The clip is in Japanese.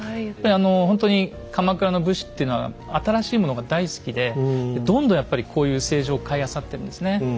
やっぱりほんとに鎌倉の武士っていうのは新しいものが大好きでどんどんやっぱりこういう青磁を買いあさってるんですね。